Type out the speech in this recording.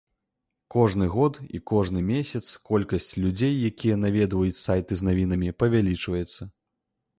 Кожны год і кожны месяц колькасць людзей, якія наведваюць сайты з навінамі павялічваецца.